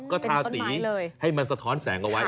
ก็ทาสีให้มันสะท้อนแสงเอาไว้